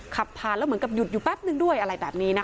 ขับผ่านแล้วเหมือนกับหยุดอยู่แป๊บนึงด้วยอะไรแบบนี้นะคะ